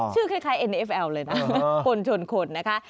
คล้ายเอ็นเอฟแอลเลยนะคนชนคนนะคะ